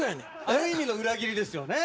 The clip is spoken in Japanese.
ある意味の裏切りですよね。